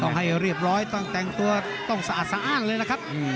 ให้เรียบร้อยต้องแต่งตัวต้องสะอาดสะอ้านเลยนะครับ